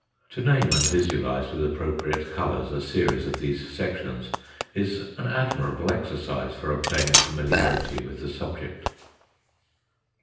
To name and visualise with appropriate colours a series of these sections is an admirable exercise for obtaining familiarity with the subject.